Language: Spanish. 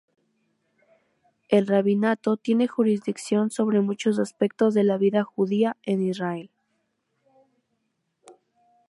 El Rabinato tiene jurisdicción sobre muchos aspectos de la vida judía en Israel.